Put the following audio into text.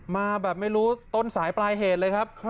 มาแบบไม่รู้ต้นสายปลายเหตุเลยครับ